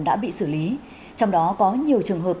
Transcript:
đã bị xử lý trong đó có nhiều trường hợp